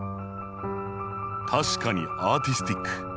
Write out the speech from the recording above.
確かにアーティスティック。